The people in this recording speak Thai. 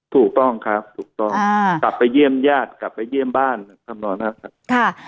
ถูกต้องครับถูกต้องกลับไปเยี่ยมญาติกลับไปเยี่ยมบ้านทำนองนั้นครับ